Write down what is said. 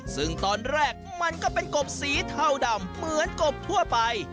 ซึ่งตอนแรกมันก็เป็นกบสีเทาดำเหมือนกบทั่วไป